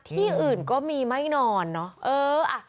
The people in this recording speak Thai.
ที่อื่นก็มีไม่นอนเนอะ